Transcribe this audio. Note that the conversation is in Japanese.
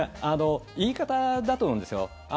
言い方だと思うんですよ。